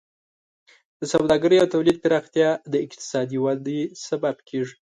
د سوداګرۍ او تولید پراختیا د اقتصادي وده سبب کیږي.